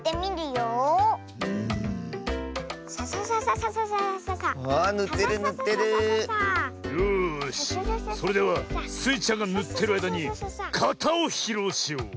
よしそれではスイちゃんがぬってるあいだにかたをひろうしよう。